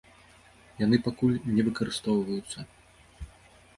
Яны пакуль не выкарыстоўваюцца.